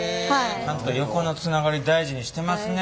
ちゃんと横のつながり大事にしてますね。